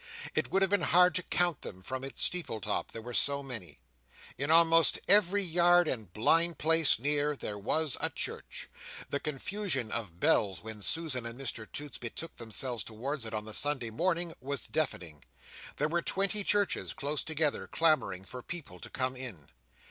It would have been hard to count them from its steeple top, they were so many. In almost every yard and blind place near, there was a church. The confusion of bells when Susan and Mr Toots betook themselves towards it on the Sunday morning, was deafening. There were twenty churches close together, clamouring for people to come in.